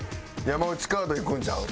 山内カードいくんちゃう？